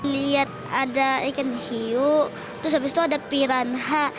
lihat ada ikan dihiu terus habis itu ada piranha